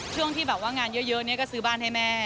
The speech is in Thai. ช่วงที่แบบว่างานเยอะก็ซื้อบ้านให้แม่